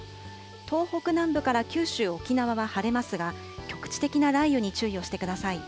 東北南部から九州、沖縄は晴れますが、局地的な雷雨に注意をしてください。